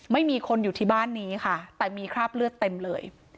ไม่มีคนอยู่ที่บ้านนี้ค่ะแต่มีคราบเลือดเต็มเลย